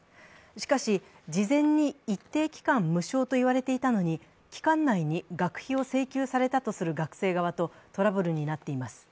しかし、事前に一定期間無償といわれていたのに期間内に学費を請求されたとする学生側とトラブルになっています。